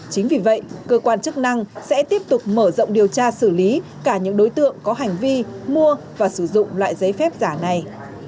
chính vì vậy cơ quan chức năng sẽ tiếp tục mở rộng điều tra xử lý cả những đối tượng có hành vi mua và sử dụng loại giấy phép giả này